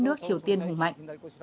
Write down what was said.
đất nước triều tiên hùng mạnh